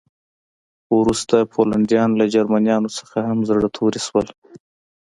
خو وروسته پولنډیان له جرمنانو څخه هم زړه توري شول